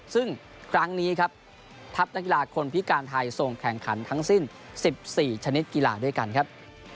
ซึ่งครั้งนี้ครับทัพนักกีฬาคนพิการไทยส่งแข่งขันทั้งสิ้น๑๔ชนิดกีฬาด้วยกันครับ